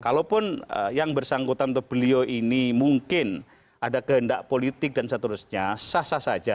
kalaupun yang bersangkutan atau beliau ini mungkin ada kehendak politik dan seterusnya sah sah saja